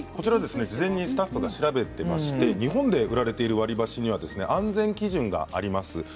事前にスタッフが調べていまして日本で売られている割り箸には安全基準があります。